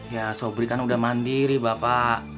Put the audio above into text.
ya sobri kan udah mandiri bapak